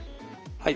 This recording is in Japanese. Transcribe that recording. はい。